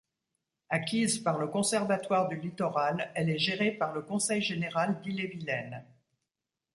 Acquise par le Conservatoire du littoral, elle est gérée par le Conseil général d'Ille-et-Vilaine.